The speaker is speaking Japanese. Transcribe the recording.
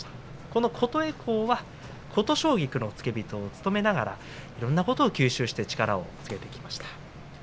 この琴恵光は琴奨菊の付け人を務めながらいろんなことを吸収して力をつけてきました。